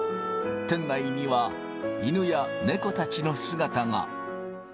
店内には犬や猫たちの姿が。